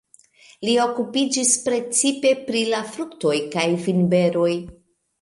Li okupiĝis precipe pri la fruktoj kaj vinberoj.